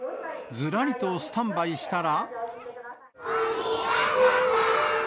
ずらりとスタンバイしたら。